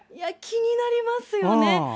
気になりますよね。